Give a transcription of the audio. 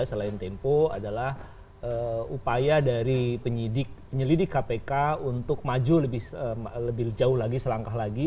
selain tempo adalah upaya dari penyelidik kpk untuk maju lebih jauh lagi selangkah lagi